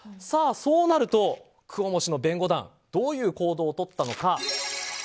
そうなるとクオモ氏の弁護団はどういう行動をとったのか。